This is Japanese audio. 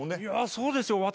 「そうですよ」わ！